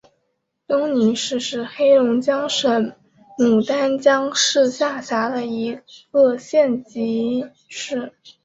东宁市是黑龙江省牡丹江市下辖的一个县级市。